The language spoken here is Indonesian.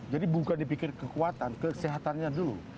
jadi bukan dipikir kekuatan kesehatannya dulu